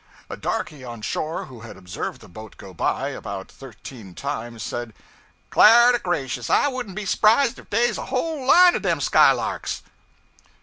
A darkey on shore who had observed the boat go by, about thirteen times, said, 'clar to gracious, I wouldn't be s'prised if dey's a whole line o' dem Sk'ylarks!'